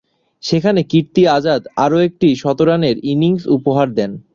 সেখানে কীর্তি আজাদ আরও একটি শতরানের ইনিংস উপহার দেন।